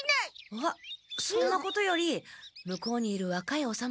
あそんなことより向こうにいる若いお侍